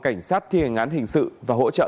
cảnh sát thi hành án hình sự và hỗ trợ